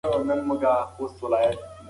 انټرنیټ د نړۍ په کچه د پوهانو اړیکه جوړوي.